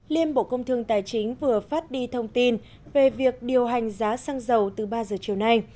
liên bộ công thương tài chính vừa phát đi thông tin về việc điều hành giá xăng dầu từ ba giờ chiều nay